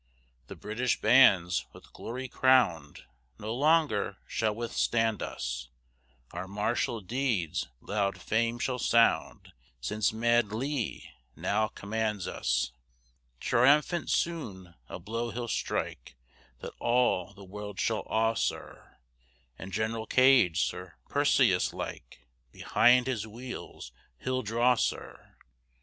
The British bands with glory crown'd, No longer shall withstand us; Our martial deeds loud fame shall sound Since mad Lee now commands us. Triumphant soon a blow he'll strike, That all the world shall awe, sir, And General Gage, Sir Perseus like, Behind his wheels he'll draw, sir.